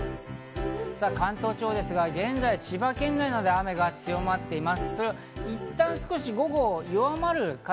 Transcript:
関東地方ですが現在、千葉県内などで雨が強まっています。